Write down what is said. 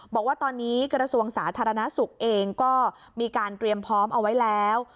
บอกว่าตอนนี้กระทรวงสาธารณสุขเองก็มีการเตรียมพร้อมเอาไว้แล้ว